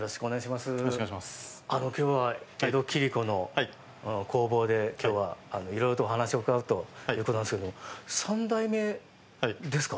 今日は江戸切子の工房でいろいろとお話を伺うということなんですけども３代目ですか？